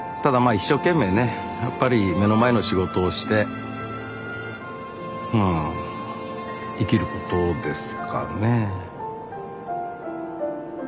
一生懸命ねやっぱり目の前の仕事をしてうん生きることですかね。